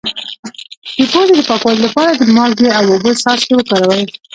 د پوزې د پاکوالي لپاره د مالګې او اوبو څاڅکي وکاروئ